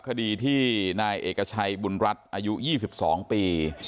คดีที่นายเอกชัยบุญรัฐอายุ๒๒ปี